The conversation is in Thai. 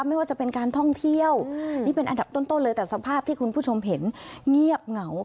ไม่ว่าจะเป็นการท่องเที่ยวนี่เป็นอันดับต้นเลย